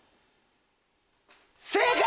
正解！